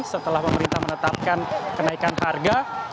setelah pemerintah menetapkan kenaikan harga